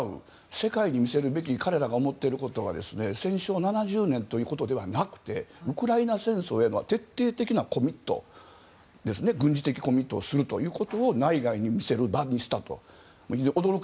世界に見せるべき彼らが思っていることは戦勝７０年ということではなくてウクライナ戦争への徹底的な軍事的コミットをすることを内外に見せる場にしたと。